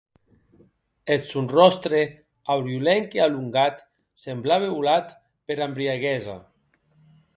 Eth sòn ròstre, auriolenc e alongat, semblaue holat pera embriaguesa.